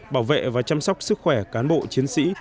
bảo vệ và chăm sóc sức khỏe cán bộ chiến sĩ